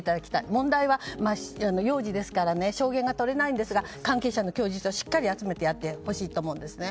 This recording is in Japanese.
問題は幼児ですから証言が取れないんですが関係者の話をしっかり集めてやってほしいと思うんですね。